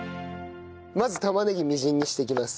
まず玉ねぎみじんにしていきます。